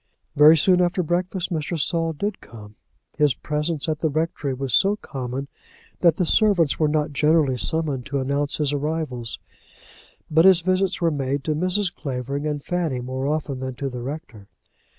Very soon after breakfast Mr. Saul did come. His presence at the rectory was so common that the servants were not generally summoned to announce his arrivals, but his visits were made to Mrs. Clavering and Fanny more often than to the rector.